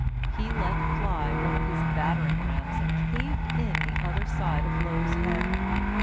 He let fly one of his battering rams and caved in the other side of Low's head.